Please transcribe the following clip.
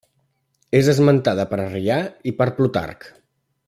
És esmentada per Arrià, i per Plutarc.